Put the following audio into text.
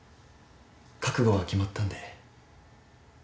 覚悟は決まったんで。